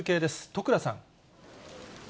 戸倉さん。